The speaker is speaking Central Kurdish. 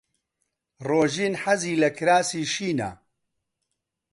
ڕۆژین حەزی لە کراسی شینە.